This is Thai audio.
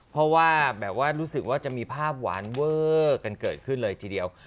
เพราะว่าแบบว่ารู้สึกว่าจะมีภาพหวานเวอร์กันเกิดขึ้นเลยทีเดียว